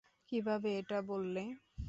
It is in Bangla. কীভাবে এটা বললে?